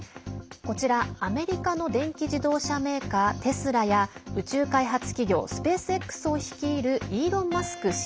こちら、アメリカの電気自動車メーカー、テスラや宇宙開発企業スペースＸを率いるイーロン・マスク